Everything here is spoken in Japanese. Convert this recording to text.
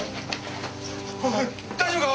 おい大丈夫か？